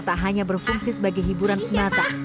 tak hanya berfungsi sebagai hiburan semata